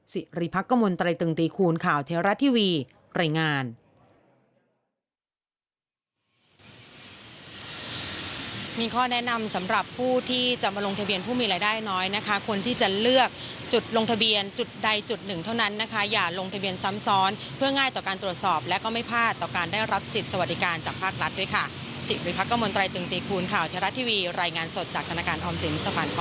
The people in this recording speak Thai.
สิริพักกมลตรายตึงตีคูณข่าวเทวรัฐทีวีรายงาน